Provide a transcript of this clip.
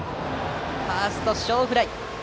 ファーストへの小フライ。